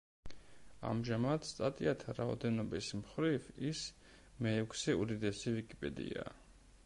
ამჟამად, სტატიათა რაოდენობის მხრივ ის მეექვსე უდიდესი ვიკიპედიაა.